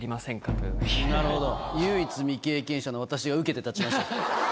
唯一未経験者の私が受けて立ちましょう。